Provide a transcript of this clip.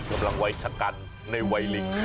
กำลังไว้ชะกันในวัยลิง